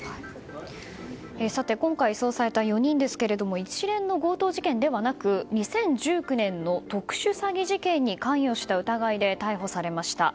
今回移送された４人ですが一連の強盗事件ではなく２０１９年の特殊詐欺事件に関与した疑いで逮捕されました。